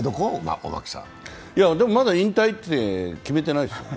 まだ引退って決めてないですよ。